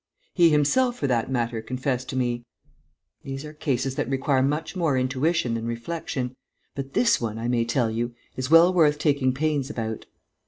He himself, for that matter, confessed to me: "These are cases that require much more intuition than reflection. But this one, I may tell you, is well worth taking pains about."